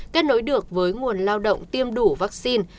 kết nối được với nguồn lao động tiêm đủ vaccine